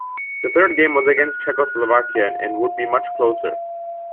The third game was against Czechoslovakia and would be much closer.